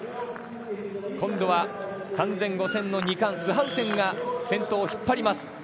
今度は３０００、５０００の２冠スハウテンが先頭を引っ張ります。